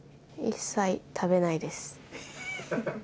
一切食べないです。